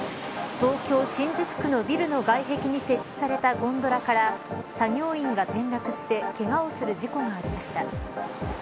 東京、新宿区のビルの外壁に設置されたゴンドラから作業員が転落してけがをする事故がありました。